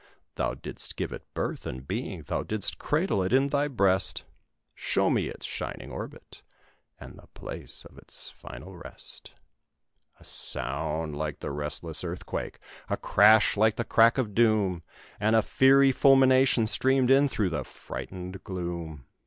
Thou didst give it its birth and being, thou didst cradle it in thy breast Show me its shining orbit, and the place of its final rest!" A sound like the restless earthquake! a crash like the "crack of doom"! And a fiery fulmination streamed in through the frightened gloom.